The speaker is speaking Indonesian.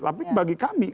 tapi bagi kami